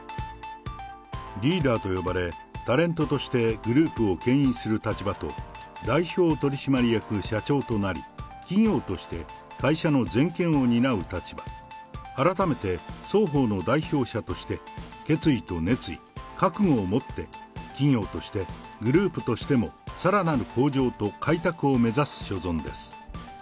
リーダーと呼ばれ、タレントとしてグループをけん引する立場と、代表取締役社長となり、企業として会社の全権を担う立場、改めて双方の代表者として、決意と熱意、覚悟を持って、企業として、グループとしてもさらなる向上と開拓を目指す所存です。